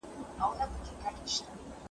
د ماشومانو قد او وزن وڅاره